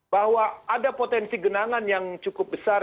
bahwa ada potensi genangan yang cukup besar